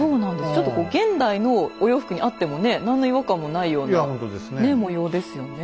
ちょっとこう現代のお洋服にあってもね何の違和感もないようなねっ模様ですよね。